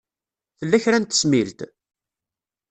Tella kra n tesmilt?